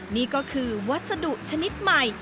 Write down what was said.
นี่ก็คือวัสดุชนิดใหม่